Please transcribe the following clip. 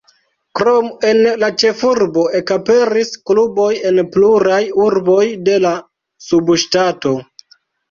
Krom en la ĉefurbo ekaperis kluboj en pluraj urboj de la subŝtato.